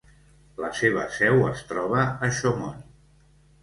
La seva seu es troba a Chaumont.